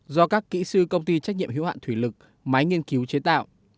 do các kỹ sư công ty trách nhiệm hiếu hạn thủy lực máy nghiên cứu chế tạo